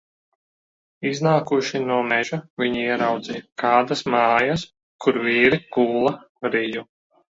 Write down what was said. Iznākuši no meža, viņi ieraudzīja kādas mājas, kur vīri kūla riju.